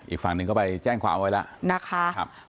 อีกฝั่งหนึ่งก็ไปแจ้งความไว้แล้วนะคะ